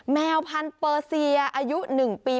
แมวพันธเปอร์เซียอายุ๑ปี